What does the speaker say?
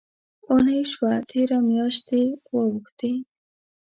اوونۍ شوه تېره، میاشتي واوښتې